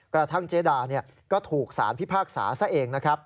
กระทั่งเจดาก็ถูกสารพิพากษาซะเองนะครับ